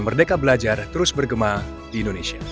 merdeka belajar terus bergema di indonesia